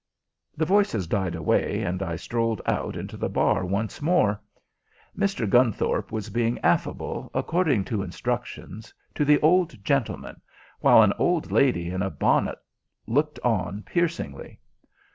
The voices died away, and I strolled out into the bar once more. Mr. Gunthorpe was being affable, according to instructions, to the old gentleman, while an old lady in a bonnet looked on piercingly.